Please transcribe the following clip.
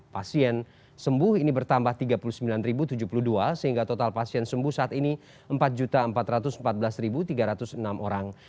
pasien sembuh ini bertambah tiga puluh sembilan tujuh puluh dua sehingga total pasien sembuh saat ini empat empat ratus empat belas tiga ratus enam orang